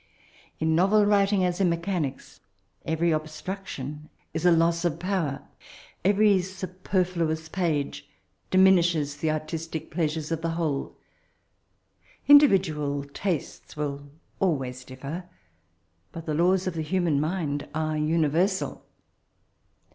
In novel writing, as in mechanics, every ob struction is a loss of power ; every I Buperflttous page diminishes the ar tistic pleasure of the whole. Indi ] vidaal tastes will always differ ; bat the laws of the human mind are uni versal.